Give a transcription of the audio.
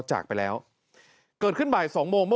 ใช่ยังเล็กอยู่มาก